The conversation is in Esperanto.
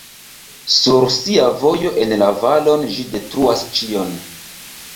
Sur sia vojo en la valon ĝi detruas ĉion.